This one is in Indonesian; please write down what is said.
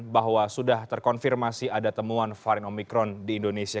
bahwa sudah terkonfirmasi ada temuan varian omikron di indonesia